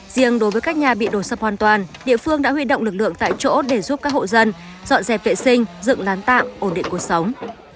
riêng đối với các nhà bị đổ sập hoàn toàn địa phương đã huy động lực lượng tại chỗ để giúp các hộ dân dọn dẹp vệ sinh dựng lán tạm ổn định cuộc sống